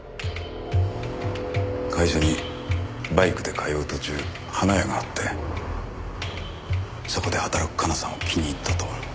会社にバイクで通う途中花屋があってそこで働く香奈さんを気に入ったと。